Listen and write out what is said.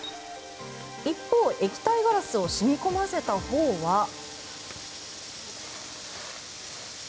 一方、液体ガラスを染み込ませたほうは。